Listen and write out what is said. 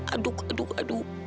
aduk aduk aduk